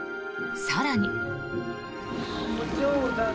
更に。